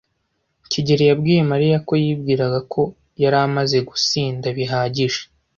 kigeli yabwiye Mariya ko yibwiraga ko yari amaze gusinda bihagije.